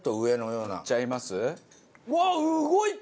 うわ動いた！